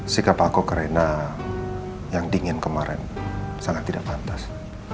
sikap aku ukraina yang dingin kemarin sangat tidak pantas